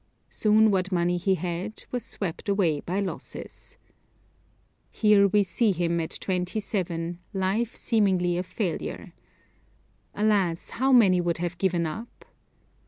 Soon what money he had was swept away by losses. Here we see him at twenty seven, life seemingly a failure. Alas! how many would have given up.